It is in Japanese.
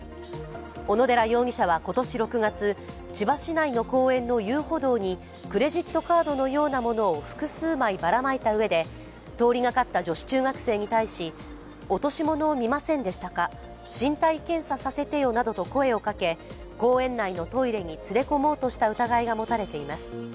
小野寺容疑者は今年６月、千葉市内の公園の遊歩道にクレジットカードのようなものを複数枚ばらまいたうえで、通りがかった女子中学生に対し落とし物を見ませんでしたか、身体検査させてよなどと声をかけ、公園内のトイレに連れ込もうとした疑いが持たれています。